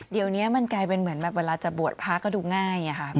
เดี๋ยวนี้มันกลายเป็นเหมือนแบบเวลาจะบวชพระก็ดูง่ายค่ะ